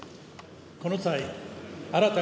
この際、新たに。